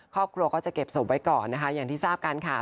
ครอบครัวก็จะเก็บศพไว้ก่อนนะคะอย่างที่ทราบกันค่ะ